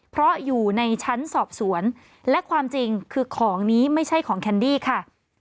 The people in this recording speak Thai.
เพราะอยู่ในชั้นสอบสวนและความจริงคือของนี้ไม่ใช่ของแคนดี้ค่ะ